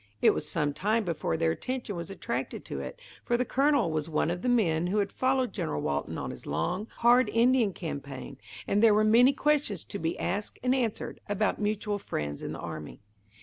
It was some time before their attention was attracted to it, for the Colonel was one of the men who had followed General Walton on his long, hard Indian campaign, and there were many questions to be asked and answered, about mutual friends in the army.